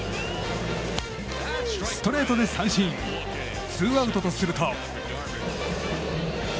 ストレートで三振ツーアウトとすると。